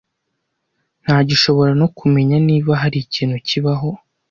ntagishobora no kumenya niba hari ikintu kibaho